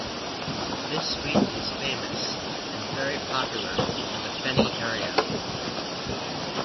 This sweet is famous and very popular in the Feni area.